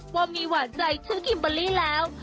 ว่ามีหว่าใจชื่อคริมบอลลี่แล้ว